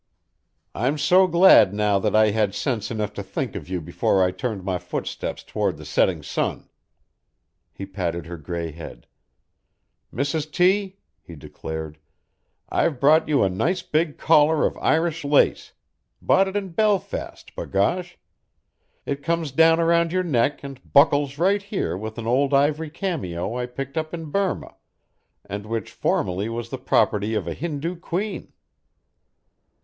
I'm so glad now that I had sense enough to think of you before I turned my footsteps toward the setting sun." He patted her gray head. "Mrs. T.," he declared, "I've brought you a nice big collar of Irish lace bought it in Belfast, b'gosh. It comes down around your neck and buckles right here with an old ivory cameo I picked up in Burma and which formerly was the property of a Hindu queen."